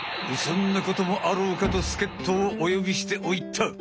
そんなこともあろうかとすけっとをお呼びしておいた。